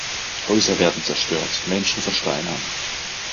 Häuser werden zerstört, Menschen versteinern.